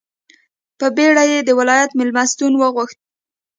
په بېړه یې د ولایت مېلمستون وغوښت.